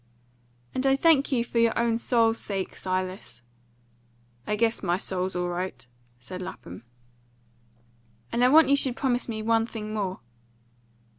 "And I thank you for your own soul's sake, Silas." "I guess my soul's all right," said Lapham. "And I want you should promise me one thing more."